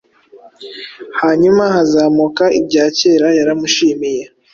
Hanyuma hazamuka ibya kera yaramushimiye